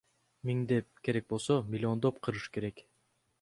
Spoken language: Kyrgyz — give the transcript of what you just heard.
Миңдеп, керек болсо миллиондоп кырыш керек.